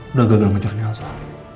udah gagal mencurigin asal